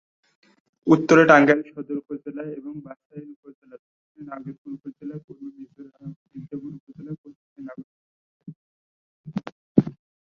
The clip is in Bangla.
উত্তরে টাঙ্গাইল সদর উপজেলা এবং বাসাইল উপজেলা, দক্ষিণে নাগরপুর উপজেলা, পূর্বে মির্জাপুর উপজেলা, পশ্চিমে নাগরপুর উপজেলা এবং টাঙ্গাইল সদর উপজেলা।